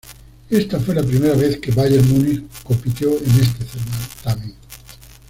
Ésta fue la primera vez que Bayern Múnich compitió en este certamen.